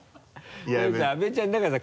阿部ちゃん何かさ